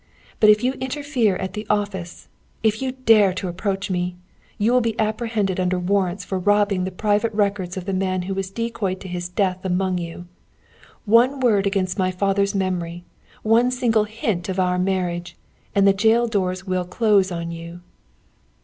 "But if you interfere at the office, if you dare to approach me, you will be apprehended under warrants for robbing the private records of the man who was decoyed to his death among you. One word against my father's memory, one single hint of our marriage, and the jail doors will close on you."